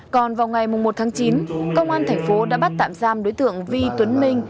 còn vào ngày một tháng chín công an tp đã bắt tạm giam đối tượng vi tuấn minh